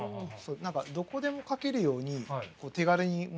何かどこでも描けるようにこう手軽に持てる。